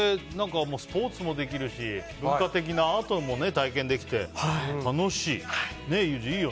スポーツもできるし文化的なアートも体験できて楽しい。